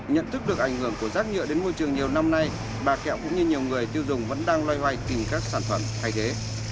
nhận thức được ảnh hưởng của rác nhựa đến môi trường nhiều năm nay bà kẹo cũng như nhiều người tiêu dùng vẫn đang loay hoay tìm các sản phẩm thay thế